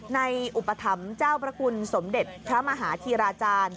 ในอุปถัมธ์เจ้าประกุลสมเด็จข้าวมหาธีราจารย์